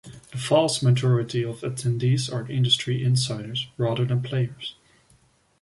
The vast majority of attendees are industry insiders, rather than players.